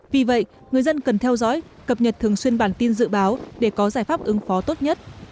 vì vậy người dân cần theo dõi cập nhật thường xuyên bản tin dự báo để có giải pháp ứng phó tốt nhất